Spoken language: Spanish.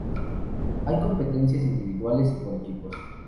Hay competencias individuales y por equipos.